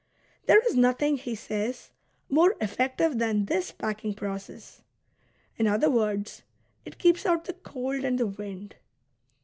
There is nothing, he says, more effective than this packing process ^*; in other woi'ds, it keeps out the cold and the wind.